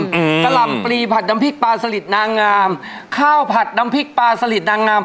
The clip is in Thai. อืมกะหล่ำปลีผัดน้ำพริกปลาสลิดนางงามข้าวผัดน้ำพริกปลาสลิดนางงาม